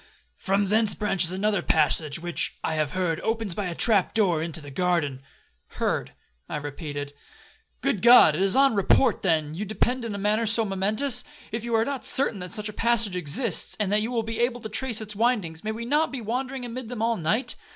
From thence branches another passage, which, I have heard, opens by a trap door into the garden.'—'Heard,' I repeated; 'Good God! is it on report, then, you depend in a matter so momentous? If you are not certain that such a passage exists, and that you will be able to trace its windings, may we not be wandering amid them all night?